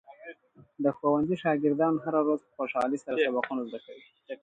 د ښوونځي شاګردان هره ورځ په خوشحالۍ سره سبقونه زده کوي.